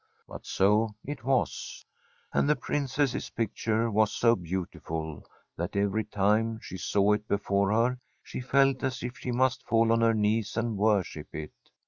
But so it was. And the Princess's picture was so beautiful that every time she saw it before her she felt as if she must fall on her knees and worship it.